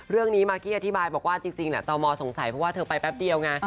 เมื่อกี้มากกี้อธิบายบอกว่าจริงต่อมอสงสัยเพราะว่าเธอไปแป๊บเดียวไง